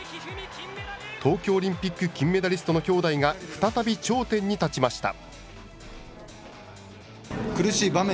東京オリンピック金メダリストのきょうだいが、再び頂点に立ちました。